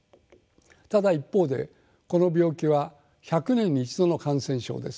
ただ一方でこの病気は１００年に一度の感染症です。